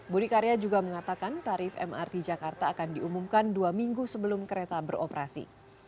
budi karya juga mengatakan tarif mrt jakarta akan diumumkan dua minggu sebelum kereta beroperasi